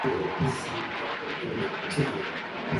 めんどくさいと思いながらも話しかける